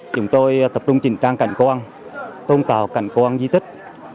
chúng tôi tập trung trình trang cảnh cố ăn tôn tạo cảnh cố ăn duy tích